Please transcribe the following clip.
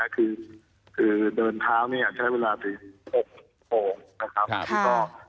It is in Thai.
คือเดินเท้าใช้เวลาถึง๖โปร่ง